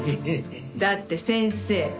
だって先生